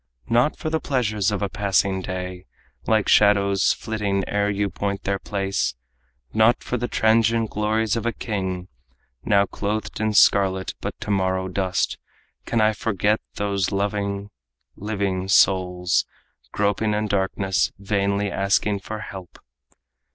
Not for the pleasures of a passing day, Like shadows flitting ere you point their place, Not for the transient glories of a king, Now clothed in scarlet but to morrow dust, Can I forget those loving, living souls, Groping in darkness, vainly asking help."